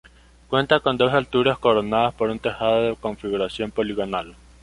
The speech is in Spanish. Cuenta con dos alturas coronadas por un tejado de configuración poligonal.